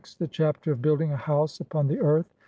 THE CHAPTER OF BUILDING A HOUSE UPON EARTH.